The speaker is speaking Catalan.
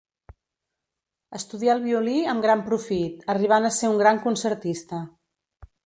Estudià el violí amb gran profit, arribant a ser un gran concertista.